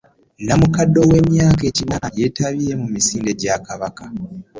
Namukadde ow'emyaka ekinaana yeetabye mu misinde gya kabaka.